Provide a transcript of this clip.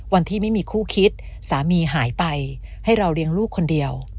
วันที่ไม่มีคู่คิดสามีหายไปให้เราเลี้ยงลูกคนเดียว